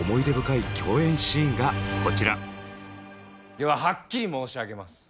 でははっきり申し上げます。